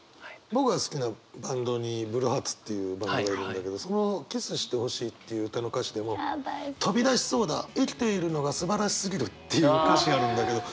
僕が好きなバンドにブルーハーツっていうバンドがいるんだけどその「キスしてほしい」っていう歌の歌詞でも「とび出しそうだ生きているのがすばらしすぎる」っていう歌詞があるんだけど。